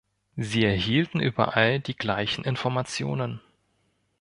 Sie erhielten überall die gleichen Informationen.